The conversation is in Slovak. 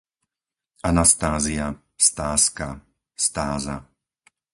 Anastázia, Stázka, Stáza